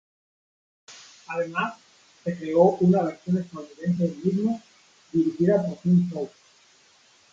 Además, se creó una versión estadounidense del mismo, dirigida por Tim Hope.